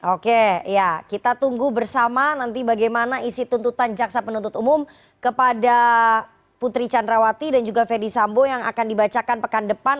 oke ya kita tunggu bersama nanti bagaimana isi tuntutan jaksa penuntut umum kepada putri candrawati dan juga verdi sambo yang akan dibacakan pekan depan